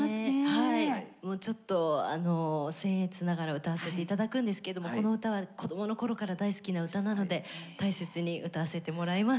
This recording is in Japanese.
もうちょっとあのせん越ながら歌わせて頂くんですけどもこの歌は子どもの頃から大好きな歌なので大切に歌わせてもらいます。